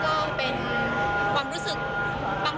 ตอนนี้เป็นครั้งหนึ่งครั้งหนึ่ง